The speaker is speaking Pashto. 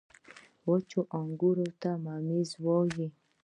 • وچ انګور ته مميز وايي.